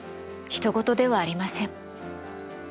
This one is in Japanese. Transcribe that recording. ひと事ではありません。